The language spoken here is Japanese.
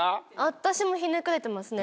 私もひねくれてますね